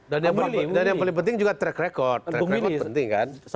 dan yang paling penting juga track record track record penting kan